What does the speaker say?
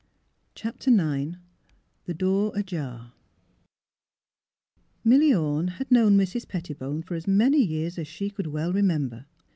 CHAPTER IX THE DOOR AJAR MiLLY Orne had known Mrs. Pettibone for as many years as she could well remember.